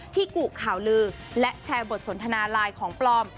กุข่าวลือและแชร์บทสนทนาไลน์ของปลอม